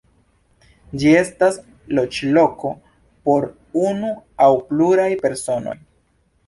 Ĝi estas loĝloko por unu aŭ pluraj personoj.